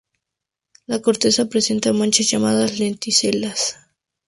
La corteza presenta manchas llamadas lenticelas.